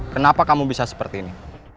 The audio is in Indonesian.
kenapa kamu bisa seperti ini